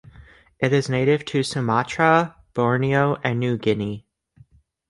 It is native to Sumatra, Borneo, and New Guinea.